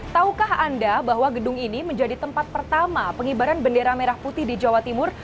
taukah anda bahwa gedung ini menjadi tempat pertama pengibaran bendera merah putih di jawa timur